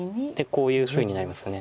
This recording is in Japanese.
こういうふうになりますよね。